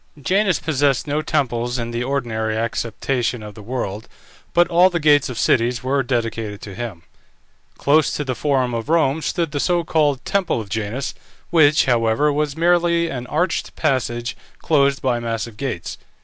Janus possessed no temples in the ordinary acceptation of the word, but all the gates of cities were dedicated to him. Close to the Forum of Rome stood the so called temple of Janus, which, however, was merely an arched passage, closed by massive gates.